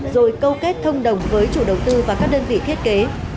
rồi câu kết thông đồng với chủ đầu tư và các đơn vị thiết kế